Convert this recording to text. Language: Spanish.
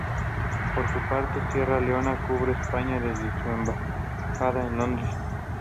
Por su parte, Sierra Leona cubre España desde su Embajada en Londres.